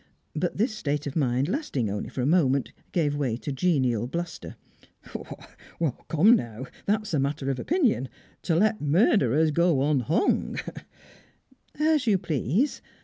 But this state of mind, lasting only for a moment, gave way to genial bluster. "Oh, come now! That's a matter of opinion. To let murderers go unhung " "As you please.